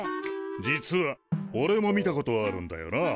実はおれも見たことあるんだよな。